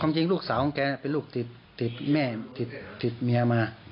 จริงลูกสาวของแกเป็นลูกติดแม่ติดเมียมา